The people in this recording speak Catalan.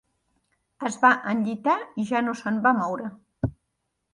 Es va enllitar i ja no se'n va moure.